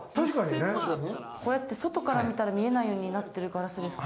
これって外から見たら見えないようになってるガラスですか？